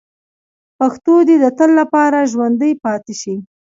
پښتو دې د تل لپاره ژوندۍ پاتې شي.